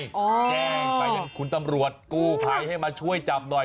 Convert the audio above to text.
อ๋อแจ้งไปคุณตำรวจกู้ไพให้มาช่วยจับหน่อย